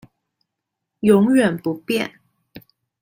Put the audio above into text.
永遠不變